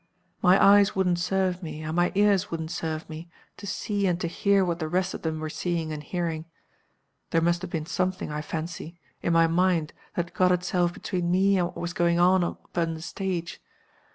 My eyes wouldn't serve me, and my ears wouldn't serve me, to see and to hear what the rest of them were seeing and hearing. There must have been something, I fancy, in my mind that got itself between me and what was going on upon the stage.